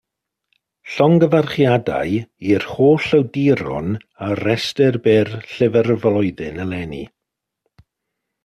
Llongyfarchiadau i'r holl awduron ar restrau byr Llyfr y Flwyddyn eleni.